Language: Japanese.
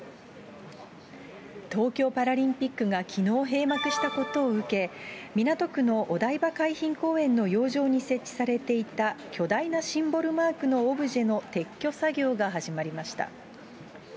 東京パラリンピックがきのう閉幕したことを受け、港区のお台場海浜公園の洋上に設置されていた巨大なシンボルマークのオブジェの撤去作業が始まりました。